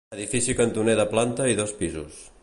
Edifici cantoner de planta i dos pisos.